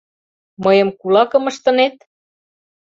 — Мыйым кулакым ыштынет?